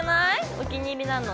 お気に入りなの。